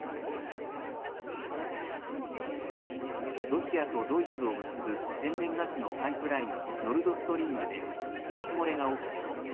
ロシアとドイツを結ぶ天然ガスのパイプラインノルドストリームでガス漏れが起きています。